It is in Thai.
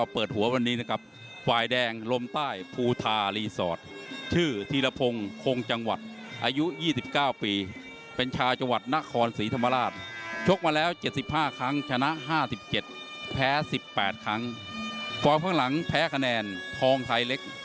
เพราะว่าทั้งสองคนนี้เป็นประเภทพระบูทั้งคู่